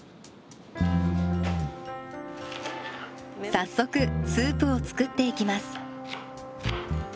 早速スープを作っていきます。